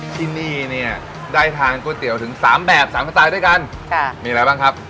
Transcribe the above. ที่นี่เนี่ยได้ทานก๋วยเตี๋ยวถึงสามแบบสามสไตล์ด้วยกันค่ะมีอะไรบ้างครับ